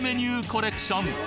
コレクション